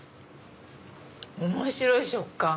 面白い食感！